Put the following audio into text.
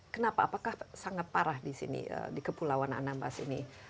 kenapa apakah sangat parah di sini di kepulauan anambas ini